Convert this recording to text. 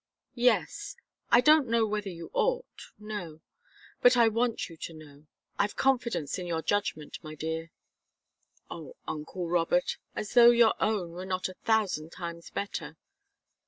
"Yes I don't know whether you ought no. But I want you to know. I've confidence in your judgment, my dear." "Oh, uncle Robert! As though your own were not a thousand times better!"